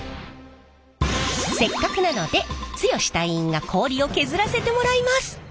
せっかくなので剛隊員が氷を削らせてもらいます。